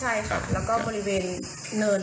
ใช่ค่ะแล้วก็บริเวณเนิน